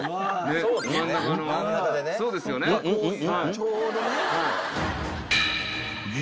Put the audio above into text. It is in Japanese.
ちょうどね。